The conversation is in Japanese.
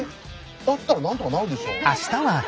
だったらなんとかなるでしょ。